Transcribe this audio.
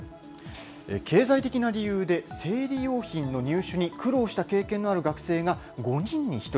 経済的な理由で生理用品の入手に苦労した経験のある学生が５人に１人。